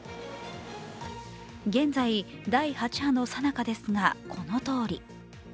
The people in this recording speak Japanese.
現在、第８波のさなかですが、このとおり。